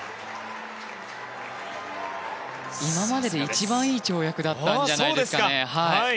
今まで一番いい跳躍だったんじゃないですかね。